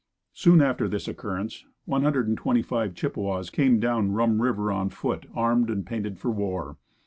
Soon after this occurrence one hundred and twenty five Chippewas came down Rum river on foot armed and painted for war.